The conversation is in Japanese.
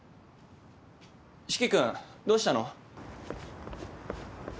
四鬼君どうしたの？